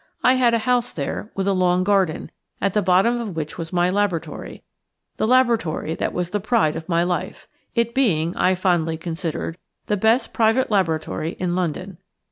I had a house there, with a long garden, at the bottom of which was my laboratory, the laboratory that was the pride of my life, it being, I fondly considered, the best private laboratory in London.